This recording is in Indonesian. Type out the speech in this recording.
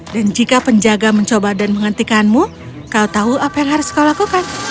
dan jika penjaga mencoba dan menghentikanmu kau tahu apa yang harus kau lakukan